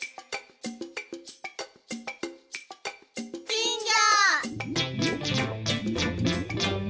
金魚。